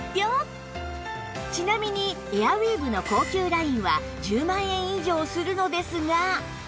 ちなみにエアウィーヴの高級ラインは１０万円以上するのですが